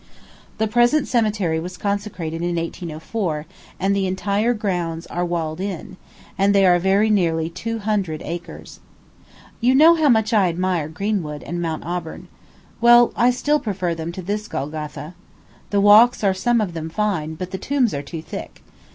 The present cemetery was consecrated in 1804; and the entire grounds are walled in, and they are very nearly two hundred acres. You know how much I admire Greenwood and Mount Auburn. Well, I still prefer them to this Golgotha. The walks are some of them fine, but the tombs are too thick.